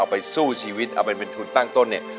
ไปสู้ชีวิตเอาเป็นทุนตั้งต้นเนี่ย